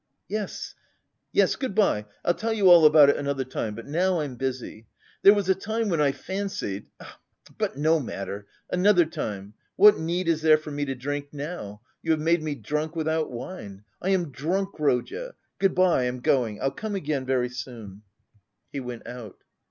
"Yes, yes; good bye. I'll tell you all about it another time, but now I'm busy. There was a time when I fancied... But no matter, another time!... What need is there for me to drink now? You have made me drunk without wine. I am drunk, Rodya! Good bye, I'm going. I'll come again very soon." He went out.